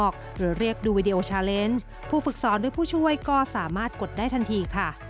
ขยับสอบสามารถกดได้ทันทีค่ะ